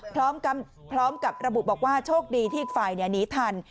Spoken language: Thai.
พร้อมกับระบุบอกว่าโชคดีที่อีกฝ่ายหนีทัน